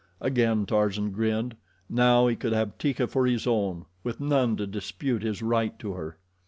Again Tarzan grinned. Now he could have Teeka for his own, with none to dispute his right to her.